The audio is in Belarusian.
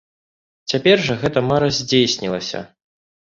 Цяпер жа гэта мара здзейснілася.